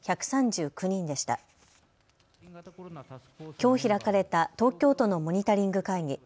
きょう開かれた東京都のモニタリング会議。